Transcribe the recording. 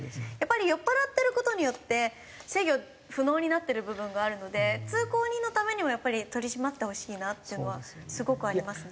酔っ払ってる事によって制御不能になってる部分があるので通行人のためにもやっぱり取り締まってほしいなっていうのはすごくありますね。